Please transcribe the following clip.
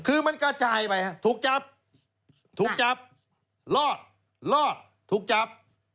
คือมันกระจายไปฮะถูกจับถูกจับรอดรอดถูกจับ